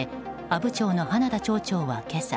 阿武町の花田町長は今朝。